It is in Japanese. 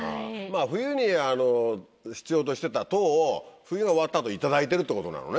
冬に必要としてた糖を冬が終わった後頂いてるってことなのね？